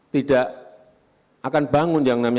tidak akan bangun yang namanya